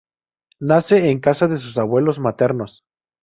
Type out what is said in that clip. Nace en casa de sus abuelos maternos.